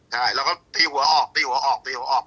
ใช่แล้วก็ตีหัวออก